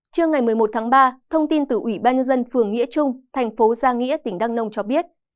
trưa ngày một mươi một tháng ba thông tin từ ủy ban nhân dân phường nghĩa trung thành phố gia nghĩa tỉnh đăng nông cho biết